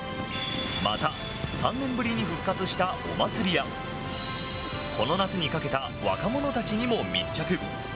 また、３年ぶりに復活したお祭りやこの夏にかけた若者たちにも密着。